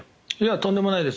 とんでもないです。